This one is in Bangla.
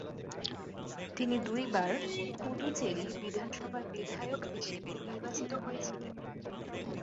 তিনি দুইবার পুদুচেরি বিধানসভার বিধায়ক হিসেবে নির্বাচিত হয়েছিলেন।